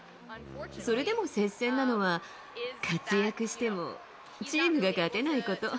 それでも接戦なのは、活躍してもチームが勝てないこと。